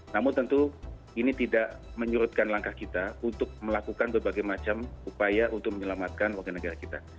namun tentu ini tidak menyurutkan langkah kita untuk melakukan berbagai macam upaya untuk menyelamatkan warga negara kita